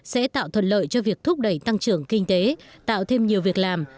sẽ tạo thuận lợi cho việc thúc đẩy tăng trưởng kinh tế tạo thêm nhiều việc làm